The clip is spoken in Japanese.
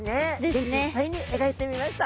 元気いっぱいに描いてみました。